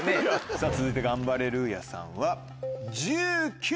さぁ続いてガンバレルーヤさんは１９。